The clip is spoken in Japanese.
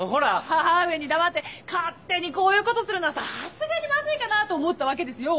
母上に黙って勝手にこういうことするのはさすがにマズいかなと思ったわけですよ。